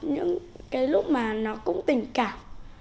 những cái lúc mà nó cũng tình cảm